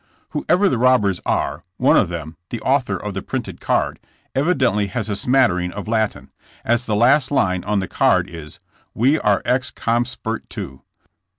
Whoever the robbers are, one of them, the au thor of the printed card, evidently has a smattering of Latin, as the last line on the card is ''we are ex comspert to.''